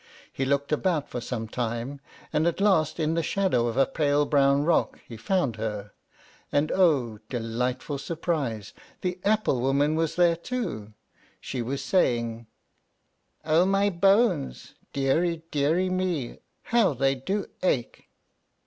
He looked about for some time, and at last, in the shadow of a pale brown rock, he found her; and oh! delightful surprise, the apple woman was there too. She was saying, "O my bones! Dearie, dearie me, how they do ache!"